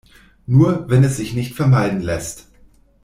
Nur wenn es sich nicht vermeiden lässt.